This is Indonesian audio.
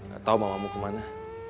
gak tau mamamu kemana